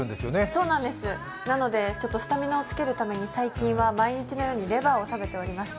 そうです、なのでスタミナをつけるために最近は毎日のようにレバーを食べております。